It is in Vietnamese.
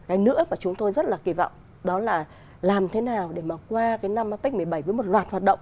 cái nữa mà chúng tôi rất là kỳ vọng đó là làm thế nào để mà qua năm apec hai nghìn một mươi bảy với một loạt hoạt động